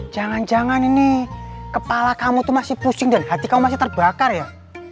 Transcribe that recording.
jangan jangan ini kepala kamu itu masih pusing dan hati kamu masih terbakar ya